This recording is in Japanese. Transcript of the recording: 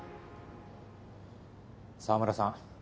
澤村さん